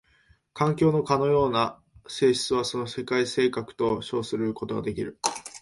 環境のかような性質はその世界性格と称することができる。